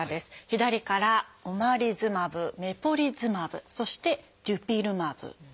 左から「オマリズマブ」「メポリズマブ」そして「デュピルマブ」です。